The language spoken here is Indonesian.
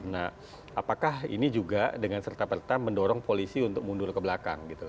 nah apakah ini juga dengan serta perta mendorong polisi untuk mundur ke belakang gitu